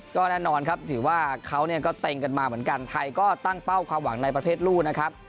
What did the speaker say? ก็แน่นอนครับถือว่าเขาก็เต็งกันมาเหมือนกันไทยก็ตั้งเป้าความหวังในประเภทลูกนะครับ